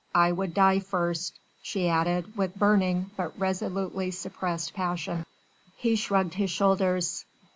I would die first," she added with burning but resolutely suppressed passion. He shrugged his shoulders.